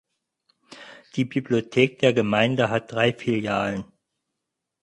Die Bibliothek der Gemeinde hat drei Filialen.